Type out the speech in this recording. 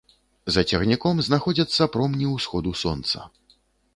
За цягніком знаходзяцца промні ўсходу сонца.